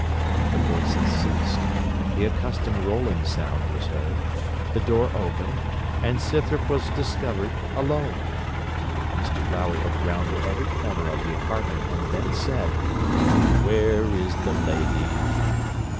The voices ceased, the accustomed rolling sound was heard, the door opened, and Scythrop was discovered alone. Mr Glowry looked round to every corner of the apartment, and then said, 'Where is the lady?'